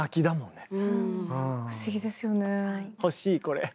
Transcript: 欲しいこれ。